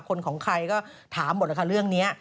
ของใครก็ถามหมดแล้วค่ะเรื่องนี้